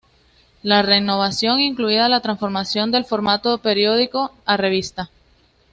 La renovación incluía la transformación del formato de periódico a revista.